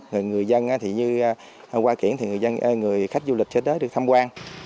người dân như hoa kiển thì người khách du lịch cho tới được thăm quan